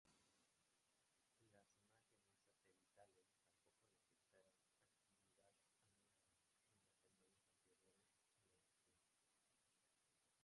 Las imágenes satelitales tampoco detectaron actividad anómala en las semanas anteriores a la erupción.